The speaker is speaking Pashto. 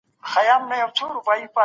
خلګ باید په پرمختیا کي ونډه واخلي.